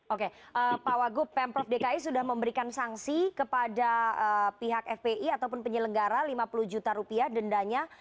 oke pak wagub pemprov dki sudah memberikan sanksi kepada pihak fpi ataupun penyelenggara lima puluh juta rupiah dendanya